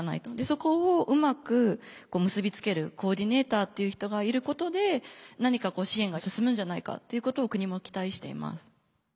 そこをうまく結び付けるコーディネーターという人がいることで何か支援が進むんじゃないかっていうことを国も期待しています。